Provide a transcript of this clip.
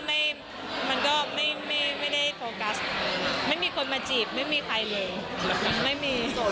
ในค่อนของงานแล้วก็ไม่ก้อกำลังไปไม่มีคนมาจีบไม่มีใครเลย